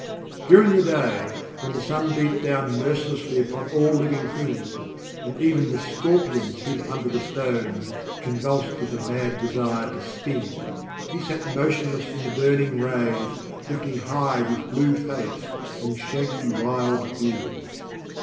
During the day, when the sun beat down mercilessly upon all living things, and even the scorpions hid under the stones, convulsed with a mad desire to sting, he sat motionless in the burning rays, lifting high his blue face and shaggy wild beard.